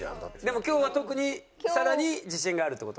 でも今日は特に更に自信があるっていう事？